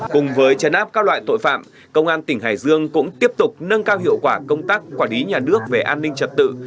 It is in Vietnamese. cùng với chấn áp các loại tội phạm công an tỉnh hải dương cũng tiếp tục nâng cao hiệu quả công tác quản lý nhà nước về an ninh trật tự